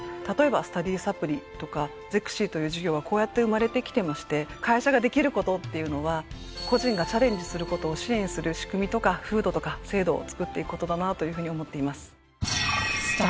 例えば「スタディサプリ」とか「ゼクシィ」という事業はこうやって生まれてきてまして会社ができることっていうのは個人がチャレンジすることを支援する仕組みとか風土とか制度をつくっていくことだなというふうに思っています。